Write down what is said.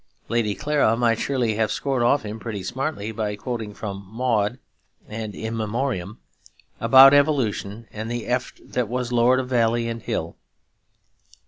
Lady Clara might surely have scored off him pretty smartly by quoting from 'Maud' and 'In Memoriam' about evolution and the eft that was lord of valley and hill.